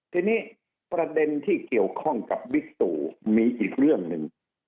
ทีนี้ประเด็นที่เกี่ยวข้องกับบิ๊กตู่มีอีกเรื่องหนึ่ง